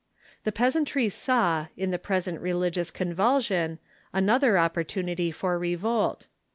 The peasantry saw, in the present religious convulsion, another opportunity for revolt.